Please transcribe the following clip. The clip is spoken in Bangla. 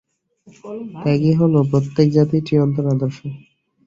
ত্যাগই হল প্রত্যেক জাতির চিরন্তন আদর্শ।